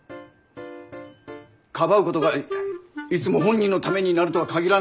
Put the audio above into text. かばうことがいつも本人のためになるとは限らないでしょう。